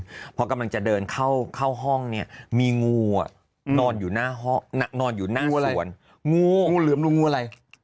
ตอนแห่งหนึ่งพอกำลังจะเดินเข้าเข้าห้องเนี่ยมีงูอ่ะนอนอยู่หน้าห้องนักนอนอยู่หน้าสวนงูเหลือมงูอะไร